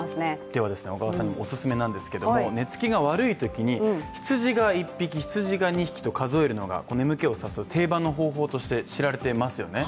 では、小川さんにおすすめなんですけど寝付きが悪いときに羊が１匹、羊が２匹と数えるのが眠気を誘う定番の方法として知られていますよね。